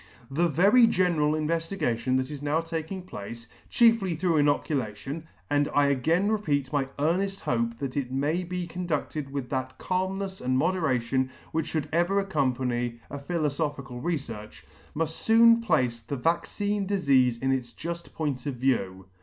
The very general investigation that is now taking place, chiefly through inoculation, (and I again repeat my earneff hope that it may be conducted with that calmnefs and moderation which Should ever accompany a philofophical refearch,) muft Soon place [ 139 3 place the vaccine difeafe in its juft point of view.